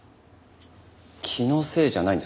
気のせいじゃないんですか？